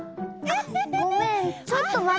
ごめんちょっとまってね。